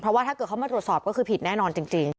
เพราะว่าถ้าเกิดเขามาตรวจสอบก็คือผิดแน่นอนจริง